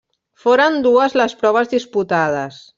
Foren dues les proves disputades.